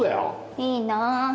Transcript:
いいなぁ